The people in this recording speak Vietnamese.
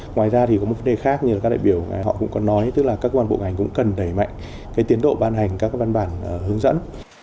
ngoài ra thì có một vấn đề khác như các đại biểu họ cũng có nói tức là các quan bộ ngành cũng cần đẩy mạnh cái tiến độ ban hành các văn bản hướng dẫn